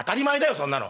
そんなの。